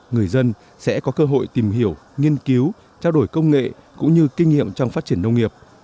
người dân sẽ có cơ hội tìm hiểu nghiên cứu trao đổi công nghệ cũng như kinh nghiệm trong phát triển nông nghiệp